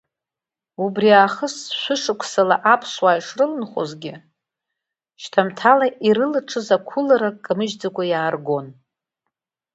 Убриаахыс шәышықәсала аԥсуаа ишрыланхозгьы, шьҭамҭала ирылаҽыз ақәылара камыжьӡакәа иааргон.